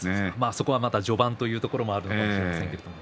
そこはまだ序盤というところもあるのかもしれません。